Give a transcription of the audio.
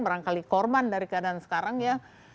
barangkali korban dari keadaan sekarang ya